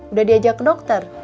udah diajak ke dokter